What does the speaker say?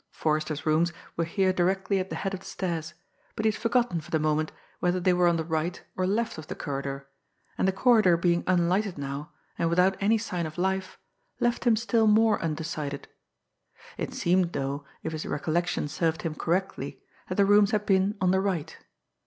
Forrester's rooms were here directly at the head of the stairs, but he had forgotten for the moment whether they were on the right or left of the corridor; and the corridor being unlighted now and without any sign of life left him still more undecided. It seemed, though, if his recollection served him correctly, that the rooms had been on the right.